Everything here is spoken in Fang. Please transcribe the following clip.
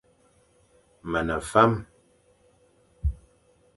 Me ne fame.